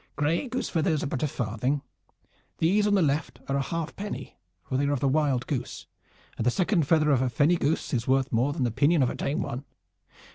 "Gray goose feathers are but a farthing. These on the left are a halfpenny, for they are of the wild goose, and the second feather of a fenny goose is worth more than the pinion of a tame one.